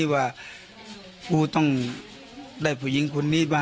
ว่ากูต้องได้ผู้หญิงคนนี้มา